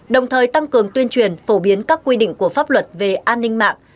đồng thời tăng cường tuyên truyền phổ biến các quy định của pháp luật về an ninh mạng